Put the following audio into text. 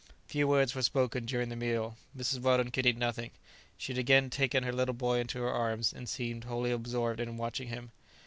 Few words were spoken during the meal. Mrs. Weldon could eat nothing; she had again taken her little boy into her arms, and seemed wholly absorbed in watching him.